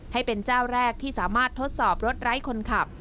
ให้เป็นเจ้าแรกที่สามารถทดสอบรถไร้คนขับ